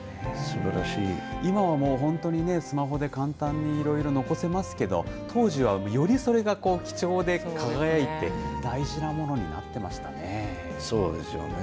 今はもう本当にね、スマホで簡単にいろいろ残せますけど当時はよりそれが貴重で輝いてそうですよね。